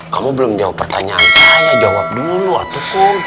kamu belum jawab pertanyaan saya jawab dulu atuh kum